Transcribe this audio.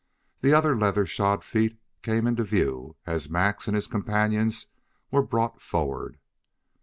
Then other leather shod feet came into view as Max and his companions were brought forward.